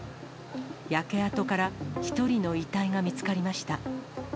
焼け跡から１人の遺体が見つかりました。